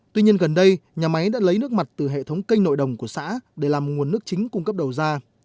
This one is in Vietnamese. tuy nhiên gần đây nhà máy đã lấy nước mặt từ hệ thống kênh nội đồng của xã để làm nguồn nước chính cung cấp đầu ra